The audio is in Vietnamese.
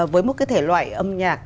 với một cái thể loại âm nhạc